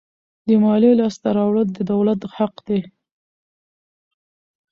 د مالیې لاسته راوړل د دولت حق دی.